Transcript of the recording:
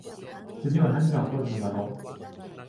次は何が起こるのだろう。